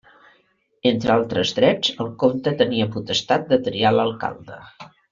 Entre altres drets el comte tenia potestat de triar l'alcalde.